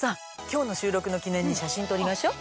今日の収録の記念に写真撮りましょ！